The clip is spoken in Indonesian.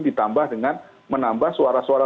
ditambah dengan menambah suara suara